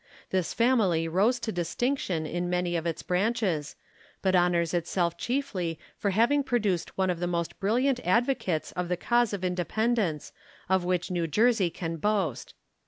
This family rose to distinction in many of its branches, but honors itself chiefly for having produced one of the most brilliant advocates of the cause of Independence of which New Jersey can boast.